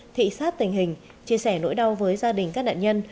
thị sát tình hình chia sẻ nỗi đau với gia đình các nạn nhân